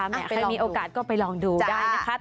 ไปลองดูนะคะใครมีโอกาสก็ไปลองดูได้นะคะไปลองดู